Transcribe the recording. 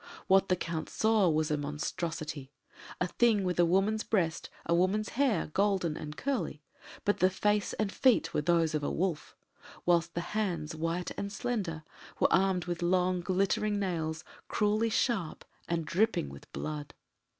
What the Count saw was a monstrosity a thing with a woman's breast, a woman's hair, golden and curly, but the face and feet were those of a wolf; whilst the hands, white and slender, were armed with long, glittering nails, cruelly sharp and dripping with blood.